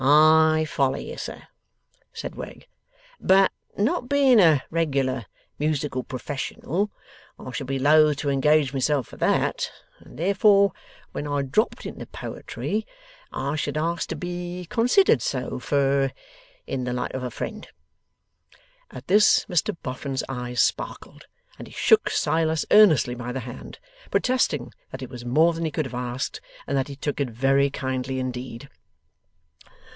'I follow you, sir,' said Wegg. 'But not being a regular musical professional, I should be loath to engage myself for that; and therefore when I dropped into poetry, I should ask to be considered so fur, in the light of a friend.' At this, Mr Boffin's eyes sparkled, and he shook Silas earnestly by the hand: protesting that it was more than he could have asked, and that he took it very kindly indeed.